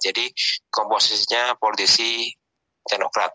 jadi komposisinya politisi teknokrat